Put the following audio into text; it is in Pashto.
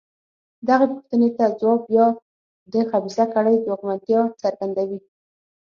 دغې پوښتنې ته ځواب بیا د خبیثه کړۍ ځواکمنتیا څرګندوي.